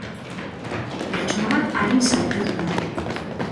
Pertsona bat arin zauritu da.